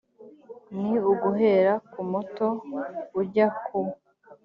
ni uguhera ku muto ujya ku